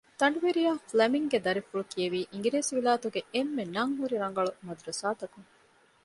ދަނޑުވެރިޔާ ފްލެމިންގ ގެ ދަރިފުޅު ކިޔެވީ އިނގިރޭސިވިލާތުގެ އެންމެ ނަން ހުރި ރަނގަޅު މަދުރަސާތަކުން